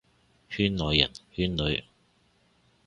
圈內人，圈裏，